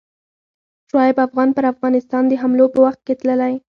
شعیب افغان پر افغانستان د حملو په وخت کې تللی.